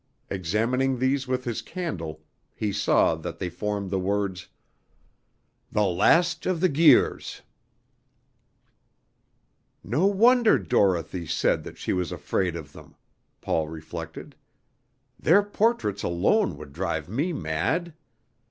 Examining these with his candle, he saw that they formed the words: "The last of the Guirs." "No wonder Dorothy said that she was afraid of them," Paul reflected; "their portraits alone would drive me mad."